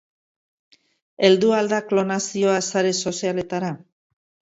Heldu al da klonazioa sare sozialetara?